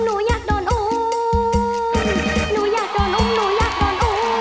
หนูอยากโดนอุ้มหนูอยากโดนอุ้ม